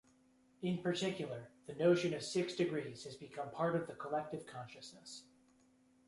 In particular, the notion of six degrees has become part of the collective consciousness.